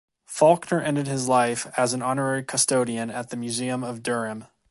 Falkner ended his life as an honorary custodian at the museum of Durham.